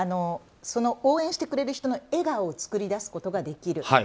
応援してくれる人の笑顔を作り出すことができる。